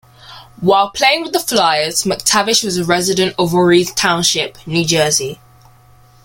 While playing with the Flyers, MacTavish was a resident of Voorhees Township, New Jersey.